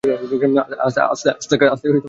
আস্তে কথা বল, বোকাচোদা।